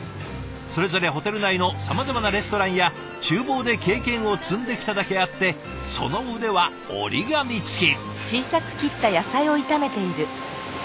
それぞれホテル内のさまざまなレストランやちゅう房で経験を積んできただけあってその腕は折り紙付き。